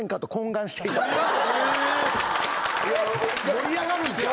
盛り上がるんちゃう？